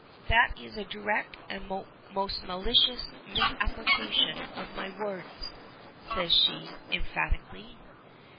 "That is a direct and most malicious misapplication of my words," says she, emphatically.